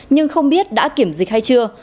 nhưng không biết đã kiểm dịch hay chưa